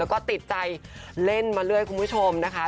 แล้วก็ติดใจเล่นมาเรื่อยคุณผู้ชมนะคะ